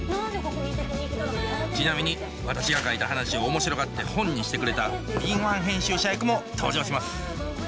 ちなみに私が書いた話を面白がって本にしてくれた敏腕編集者役も登場します